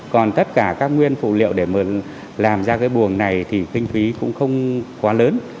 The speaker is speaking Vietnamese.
còn tất cả các nguyên phụ liệu để mà làm ra cái buồng này thì kinh phí cũng không quá lớn